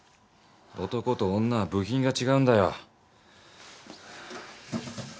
男と女は部品が違うんだよ。